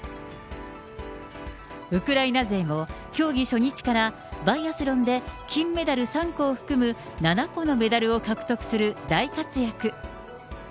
ウクライナ勢も競技初日から、バイアスロンで金メダル３個を含む７個のメダルを獲得する大活躍。